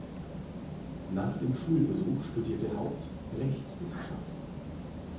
Nach dem Schulbesuch studierte Haupt Rechtswissenschaften.